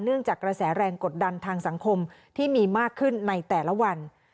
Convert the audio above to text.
จากกระแสแรงกดดันทางสังคมที่มีมากขึ้นในแต่ละวัน